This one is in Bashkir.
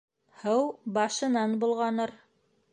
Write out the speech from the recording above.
Һыу башынан болғаныр.